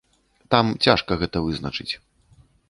Там цяжка гэта вызначыць.